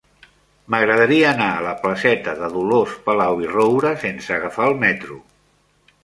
M'agradaria anar a la placeta de Dolors Palau i Roura sense agafar el metro.